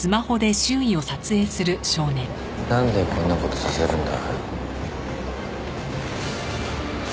なんでこんな事させるんだ。